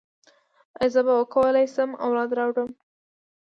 ایا زه به وکولی شم اولاد راوړم؟